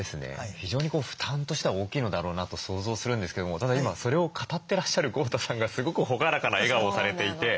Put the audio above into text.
非常に負担としては大きいのだろうなと想像するんですけどもただ今それを語ってらっしゃる豪太さんがすごく朗らかな笑顔をされていて。